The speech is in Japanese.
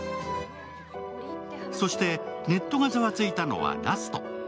そして、ネットがざわついたのはラスト。